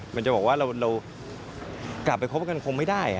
มันจะบอกว่าเรากลับไปคบกันคงไม่ได้